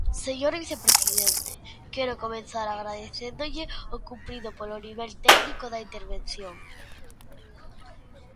Señor vicepresidente, quero comezar agradecéndolle o cumprido polo nivel técnico da intervención.